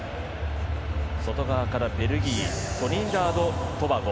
外側からベルギートリニダード・トバゴ。